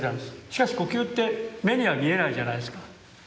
しかし呼吸って目には見えないじゃないですか。